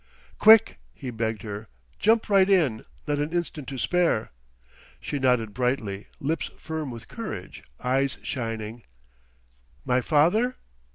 "Quick!" he begged her. "Jump right in not an instant to spare. " She nodded brightly, lips firm with courage, eyes shining. "My father?"